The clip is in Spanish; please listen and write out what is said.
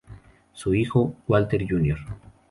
Su hijo 'Walter Jr.